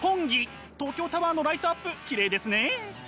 東京タワーのライトアップきれいですね。